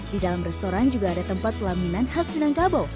di dalam restoran juga ada tempat pelaminan khas minangkabau